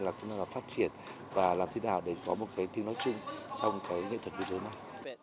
asean là phát triển và làm thế nào để có một kết nối chung trong nghệ thuật mùa dối này